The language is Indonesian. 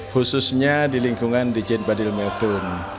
khususnya di lingkungan dirjen badimiltun